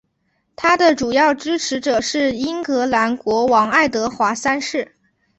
他的主要支持者是英格兰国王爱德华三世。